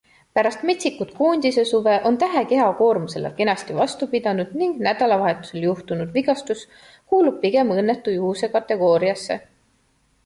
Pärast metsikut koondisesuve on Tähe keha koormusele kenasti vastu pidanud ning nädalavahetusel juhtunud vigastus kuulub pigem õnnetu juhuse kategooriasse.